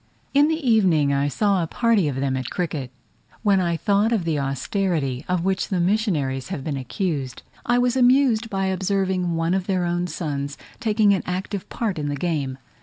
In the evening I saw a party of them at cricket: when I thought of the austerity of which the missionaries have been accused, I was amused by observing one of their own sons taking an active part in the game.